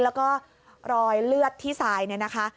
แล้วก็รอยเลือดที่ทรายเนี่ยนะคะ